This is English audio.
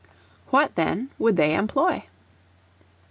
What, then, would they employ?